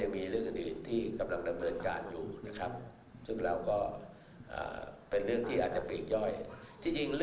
ความความความความความความความความความความความความความ